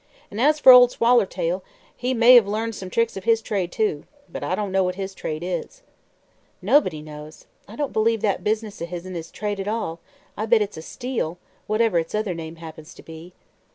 "And as for Old Swallowtail, he may have learned some tricks of his trade too. But I don't know what his trade is." "Nobody knows that. I don't b'lieve that business o' his'n is a trade at all; I'll bet it's a steal, whatever its other name happens to be."